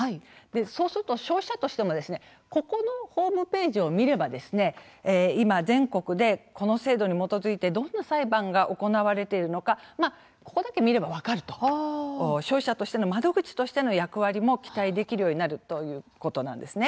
そうすると消費者としてもここのホームページを見れば今、全国でこの制度に基づいてどんな裁判が行われているのかここだけ見れば分かる消費者との窓口としての役割も期待できるということなんです。